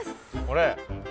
これ？